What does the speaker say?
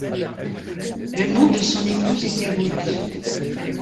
Le nom de son épouse était Ruth.